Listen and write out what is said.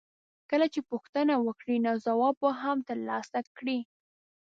کله چې پوښتنه وکړې نو ځواب به هم ترلاسه کړې.